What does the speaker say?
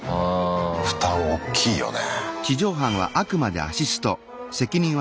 負担おっきいよね。